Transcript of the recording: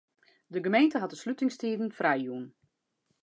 De gemeente hat de slutingstiden frijjûn.